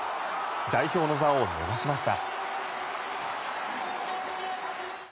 代表の座を逃しました。